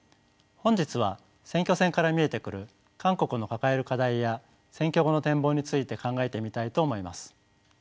本日は選挙戦から見えてくる韓国の抱える課題や選挙後の展望について考えてみたいと思います。